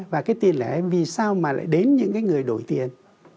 và cái tiền lẻ vì sao mà lại đến những cái người đổi tiền